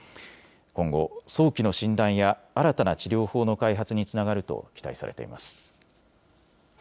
今後、早期の診断や新たな治療法の開発につながると期待されています。